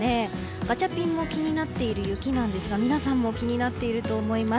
ガチャピンも気になっている雪なんですが皆さんも気になっていると思います。